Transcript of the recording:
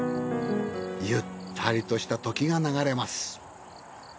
ゆったりとした時が流れます。